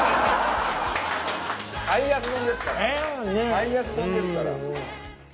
最安丼ですから。